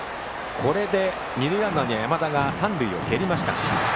これで二塁ランナーの山田が三塁を蹴りました。